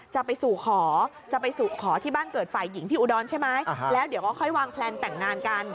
จะไปสู่ขอจะไปสู่ขอที่บ้านเกิดฝ่ายหญิงที่อุดรใช่ไหมแล้วเดี๋ยวก็ค่อยวางแพลนแต่งงานกัน